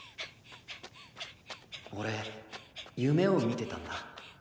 俺夢を見てたんだ。